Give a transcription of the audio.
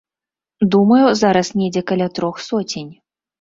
Думаю, зараз недзе каля трох соцень.